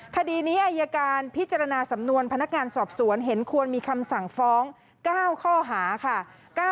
คดีนี้อายการพิจารณาสำนวนพนักงานสอบสวนเห็นควรมีคำสั่งฟ้อง๙ข้อหาค่ะ